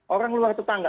orang luar tetangga